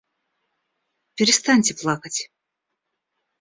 Перестаньте плакать.